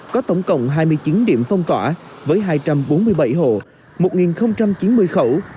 có tổng cộng hai mươi chín điểm phong tỏa với hai trăm bốn mươi bảy hộ một chín mươi khẩu